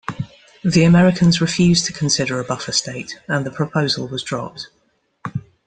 The Americans refused to consider a buffer state and the proposal was dropped.